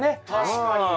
確かに！